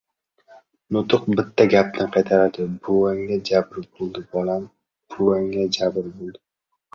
Nuqul bitta gapni qaytaradi: «Buvangga jabr bo‘ldi, bolam, buvangga jabr bo‘ldi».